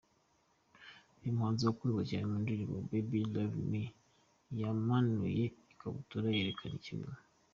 Uyu muhanzi wakunzwe cyane mu ndirimbo Baby, Love me, …yamanuye ikabutura yerekana ikibuno.